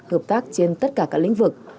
hợp tác trên tất cả các lĩnh vực